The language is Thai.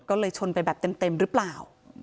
ก็เลยชนไปแบบเต็มหรือเปล่า